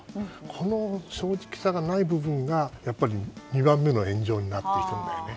この正直さがない部分がやっぱり２番目の炎上になっていくんだよね。